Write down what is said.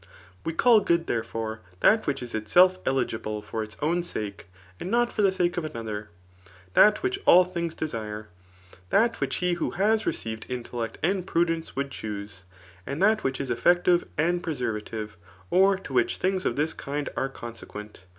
We call good, therefore, that which b itself eligible for its own sake, and not for the sake of another ; that which all things desire ; that which he who has received intellect and prudence would chuse ; and that which is effective and preservative, or to which tlungs of this kind are consequent.